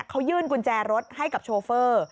เขายื่นกุญแจรถให้กับโชเฟอร์